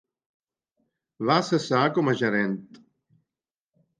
Va cessar com a gerent.